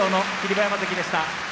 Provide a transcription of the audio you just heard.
馬山関でした。